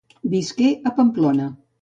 Visqué a Pamplona.